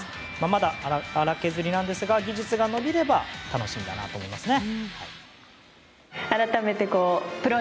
まだ粗削りなんですが技術が伸びれば楽しみだなと思いますね。